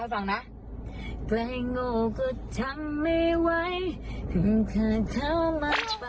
เธอบอกเด็กไม่พูดโกหกใช่ไหม